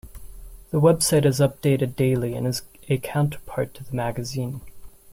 The website is updated daily and is a counterpart to the magazine.